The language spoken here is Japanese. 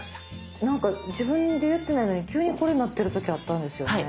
なんか自分でやってないのに急にこれになってる時あったんですよね。